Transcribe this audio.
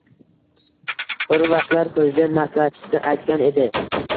Bir vaqtlar prezident maslahatchisi aytgan edi: